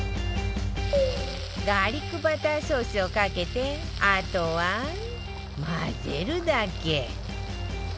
ガーリックバターソースをかけてあとは混ぜるだけ